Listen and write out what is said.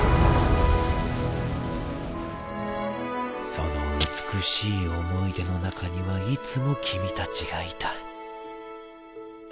その美しい思い出の中にはいつも君たちがいた。